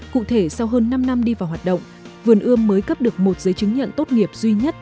cụ thể sau hơn năm năm đi vào hoạt động vườn ươm mới cấp được một giấy chứng nhận tốt nghiệp duy nhất